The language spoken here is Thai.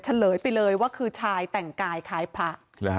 เฉลยไปเลยว่าคือชายแต่งกายคล้ายพระ